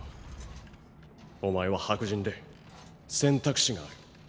お前は白人で選択肢がある。